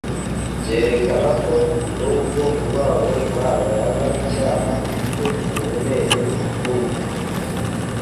Byerekana ko n'ubwo urwango Imana yanga icyaha rufite uburemere bw'urupfu,